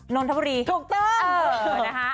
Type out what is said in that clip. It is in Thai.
นอนทะบุรีถูกต้องเออเออนะฮะ